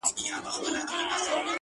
د مرګ غېږ ته ورغلی یې نادانه!